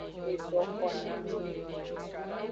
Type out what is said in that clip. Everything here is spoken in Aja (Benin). Edoxolamengu.